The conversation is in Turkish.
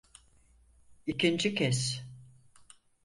İkinci kez.